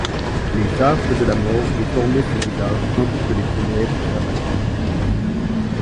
Les affres de la mort déformaient son visage tandis que les ténèbres l'avalaient.